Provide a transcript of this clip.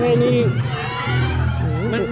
เป็นบรรเวณี